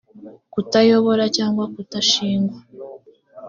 kutayobora cyangwa kutashingwa